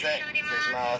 失礼します。